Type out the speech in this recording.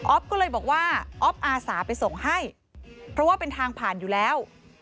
ก็เลยบอกว่าอ๊อฟอาสาไปส่งให้เพราะว่าเป็นทางผ่านอยู่แล้ว